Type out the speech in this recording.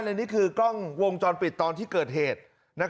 อันนี้คือกล้องวงจรปิดตอนที่เกิดเหตุ